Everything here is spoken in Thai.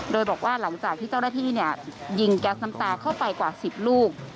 โดยบอกว่าหลังจากที่เจ้าหน้าที่ยิงแก๊สน้ำตาเข้าไปกว่า๑๐ลูก